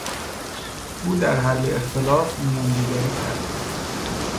او در حل اختلاف میانجیگری کرد.